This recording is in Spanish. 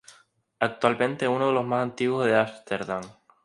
Actualmente es uno de los más antiguos de Ámsterdam.